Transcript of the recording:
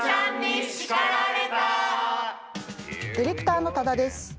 ディレクターの多田です。